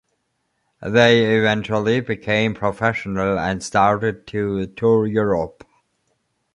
They eventually became professional and started to tour Europe.